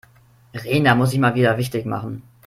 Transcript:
Rena muss sich mal wieder wichtig machen.